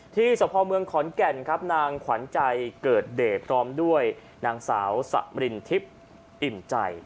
สะพอเมืองขอนแก่นครับนางขวัญใจเกิดเดชพร้อมด้วยนางสาวสมรินทิพย์อิ่มใจ